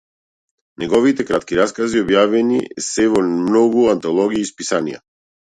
Неговите кратки раскази објавени се во многу антологии и списанија.